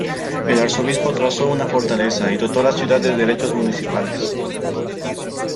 El Arzobispo trazó una fortaleza y dotó a la ciudad de derechos municipales.